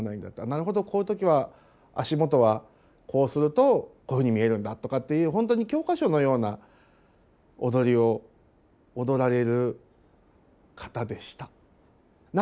なるほどこういう時は足元はこうするとこういうふうに見えるんだとかっていう本当にそれが教科書じゃないんですよだからね。